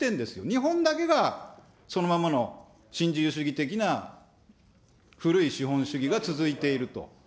日本だけがそのままの新自由主義的な古い資本主義が続いていると。